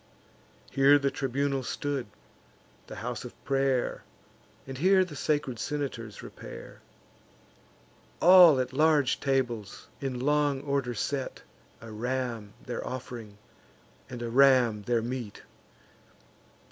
Here the tribunal stood, the house of pray'r, And here the sacred senators repair; All at large tables, in long order set, A ram their off'ring, and a ram their meat.